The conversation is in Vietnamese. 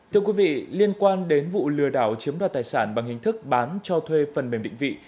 thưa quý vị liên quan đến vụ lừa đảo chiếm đoạt tài sản bằng hình thức bán cho thuê phần mềm định vị